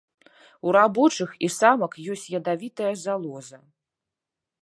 У рабочых і самак ёсць ядавітая залоза.